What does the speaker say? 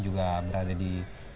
juga berada di